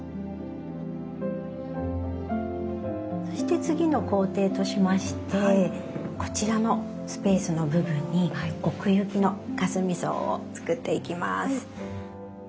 そして次の工程としましてこちらのスペースの部分に奥行きのかすみ草を作っていきます。